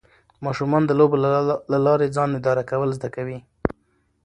ماشومان د لوبو له لارې ځان اداره کول زده کوي.